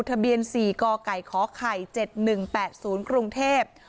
ทะเบียน๔กไก่ขไข่๗๑๘๐กรุงเทพฯ